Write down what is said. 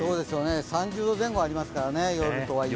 ３０度前後ありますから、夜とはいえ。